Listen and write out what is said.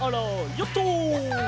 ヨット！